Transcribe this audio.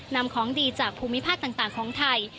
นำของดีจากภูมิภาคต่างของไทย